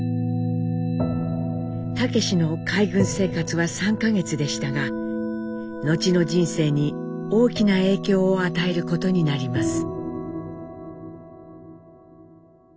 武の海軍生活は３か月でしたが後の人生に大きな影響を与えることになります。